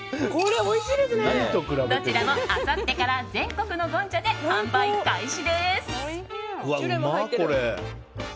どちらもあさってから全国のゴンチャで販売開始です。